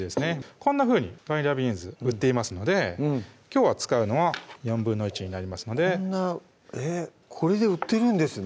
こんなふうにバニラビーンズ売っていますのできょう使うのは１／４になりますのでこんなえぇっこれで売ってるんですね